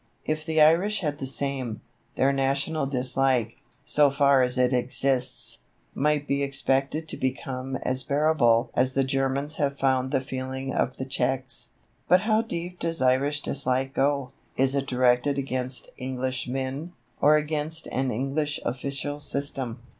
If the Irish had the same, their national dislike so far as it exists might be expected to become as bearable as the Germans have found the feeling of the Czechs. But how deep does Irish dislike go? Is it directed against Englishmen, or against an English official system?